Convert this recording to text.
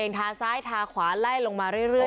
ทาซ้ายทาขวาไล่ลงมาเรื่อย